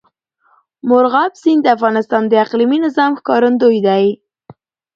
مورغاب سیند د افغانستان د اقلیمي نظام ښکارندوی ده.